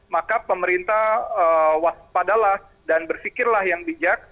maka pemerintah waspadalah dan berpikirlah yang bijak